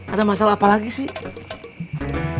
ada masalah apa lagi sih